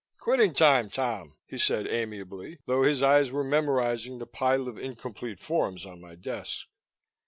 "Quitting time, Tom," he said amiably, though his eyes were memorizing the pile of incomplete forms on my desk.